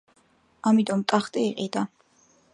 ამიტომ ტახტი იყიდა.